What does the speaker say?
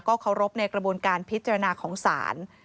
เคารพในกระบวนการพิจารณาของศาล